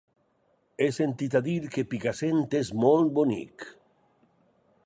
He sentit a dir que Picassent és molt bonic.